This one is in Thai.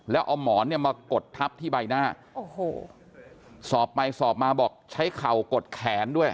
แล้วเอาหมอนเนี่ยมากดทับที่ใบหน้าโอ้โหสอบไปสอบมาบอกใช้เข่ากดแขนด้วย